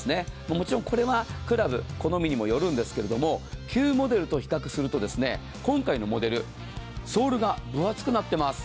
もちろんこれはクラブ好みにもよるんですけど旧モデルと比較すると、今回のモデル、ソールが分厚くなっています。